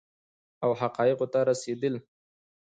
او حقایقو ته رسیدل